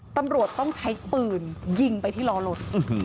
ตำรวจต้องใช้ปืนยิงไปที่ล้อรถ